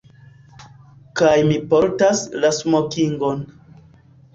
Kaj mi portas la smokingon.